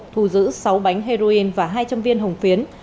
thu giữ sáu bánh heroin và hai trăm linh viên hồng phiến